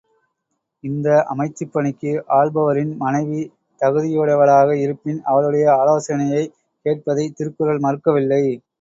இந்த அமைச்சுப் பணிக்கு ஆள்பவரின் மனைவி தகுதியுடையவளாக இருப்பின் அவளுடைய ஆலோசனையைக் கேட்பதைத் திருக்குறள் மறுக்கவில்லை.